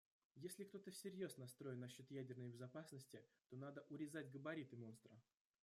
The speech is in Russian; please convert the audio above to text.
Если кто-то всерьез настроен насчет ядерной безопасности, то надо урезать габариты монстра.